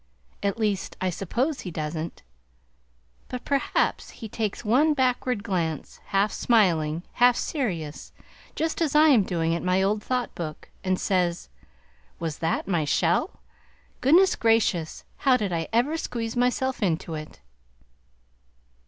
(At least I suppose he doesn't; but perhaps he takes one backward glance, half smiling, half serious, just as I am doing at my old Thought Book, and says, "WAS THAT MY SHELL! GOODNESS GRACIOUS! HOW DID I EVER SQUEEZE MYSELF INTO IT!")